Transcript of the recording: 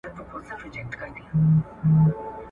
نو پر تا به د قصاب ولي بری وای ..